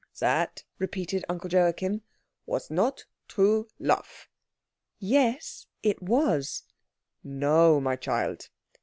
"That," repeated Uncle Joachim, "was not true love." "Yes, it was." "No, my child."